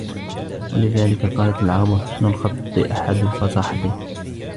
وَلِذَلِكَ قَالَتْ الْعَرَبُ حُسْنُ الْخَطِّ أَحَدُ الْفَصَاحَتَيْنِ